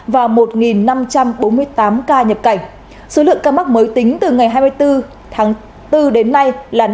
và một năm trăm bốn mươi tám ca nhập cảnh số lượng ca mắc mới tính từ ngày hai mươi bốn tháng bốn đến nay là năm ba trăm bốn mươi ca